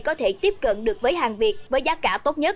có thể tiếp cận được với hàng việt với giá cả tốt nhất